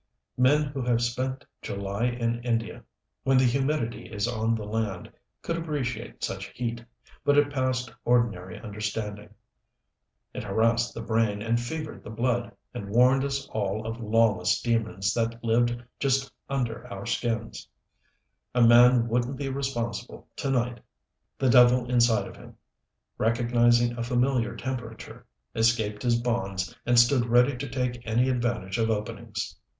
Men who have spent July in India, when the humidity is on the land, could appreciate such heat, but it passed ordinary understanding. It harassed the brain and fevered the blood, and warned us all of lawless demons that lived just under our skins. A man wouldn't be responsible, to night. The devil inside of him, recognizing a familiar temperature, escaped his bonds and stood ready to take any advantage of openings.